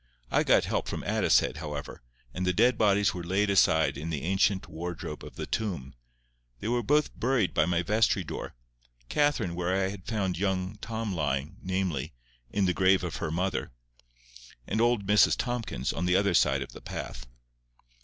I got help from Addicehead, however, and the dead bodies were laid aside in the ancient wardrobe of the tomb. They were both buried by my vestry door, Catherine where I had found young Tom lying, namely, in the grave of her mother, and old Mrs Tomkins on the other side of the path.